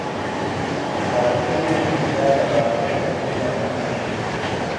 ከረ ሰሊም ምስምዳይ ለባትከት እብለ መንፈሰ